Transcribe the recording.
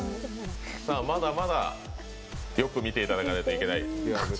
まだまだよく見ていただかないといけない。